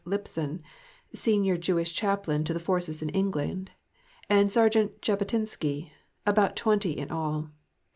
Lipson (Senior Jewish Chaplain to the Forces in England), and Sergeant Jabotinsky about twenty in all.